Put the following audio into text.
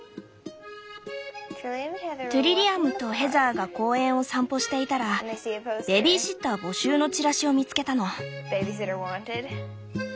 トゥリリアムとヘザーが公園を散歩していたらベビーシッター募集のチラシを見つけたの。